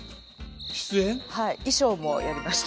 はい衣装もやりました。